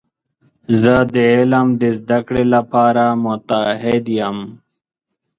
زه د علم د زده کړې لپاره متعهد یم.